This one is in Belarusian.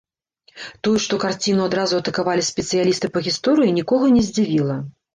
Тое, што карціну адразу атакавалі спецыялісты па гісторыі, нікога не здзівіла.